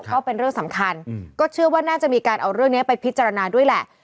ก็เป็นเรื่องสำคัญก็เชื่อว่าน่าจะมีการเอาเรื่องนี้ไปพิจารณาด้วยแหละ